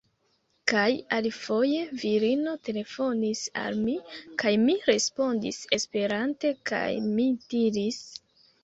Kaj alifoje, virino telefonis al mi, kaj mi respondis Esperante, kaj mi diris: